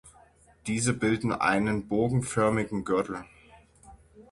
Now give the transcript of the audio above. Diese bilden einen bogenförmigen Gürtel.